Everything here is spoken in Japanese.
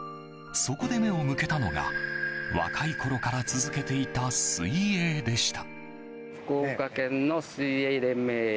そこで目を向けたのが若いころから続けていた水泳でした。